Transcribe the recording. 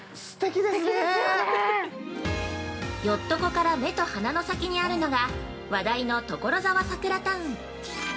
◆ＹＯＴ−ＴＯＫＯから目と鼻の先にあるのが、話題の「ところざわサクラタウン」。